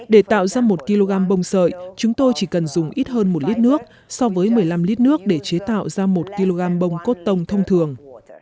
để tạo ra một kg bông sợi chúng tôi chỉ cần dùng ít hơn một lít nước so với một mươi năm lít nước để chế tạo ra một kg bông cốt tông thông thường